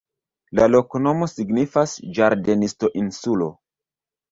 La loknomo signifas: ĝardenisto-insulo.